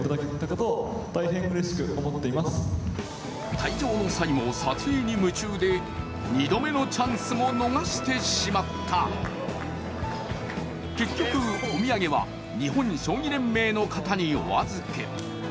退場の際も、撮影に夢中で２度目のチャンスも逃してしまった結局、お土産は日本将棋連盟の方にお預け。